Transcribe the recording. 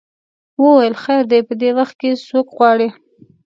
وویل خیر دی په دې وخت کې څوک غواړې.